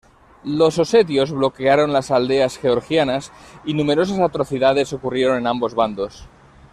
Los osetios bloquearon las aldeas georgianas y numerosas atrocidades ocurrieron en ambos bandos.